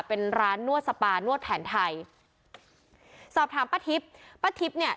เป็นร้านนวดสปานวดแผนไทยสอบถามป้าทิพย์ป้าทิพย์เนี่ย